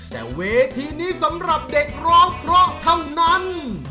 แต่เวทีนี้สำหรับเด็กร้องเพราะเท่านั้น